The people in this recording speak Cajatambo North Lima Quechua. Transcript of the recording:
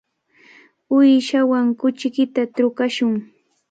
Uyshaawan kuchiykita trukashun.